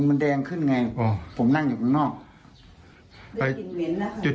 มันแดงขึ้นไงผมนั่งอยู่ข้างนอก